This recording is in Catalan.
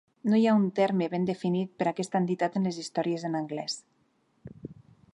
No hi ha un terme ben definit per aquesta entitat en les històries en anglès.